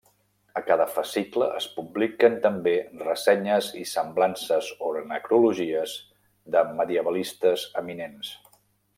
A cada fascicle es publiquen també ressenyes i semblances o necrologies de medievalistes eminents.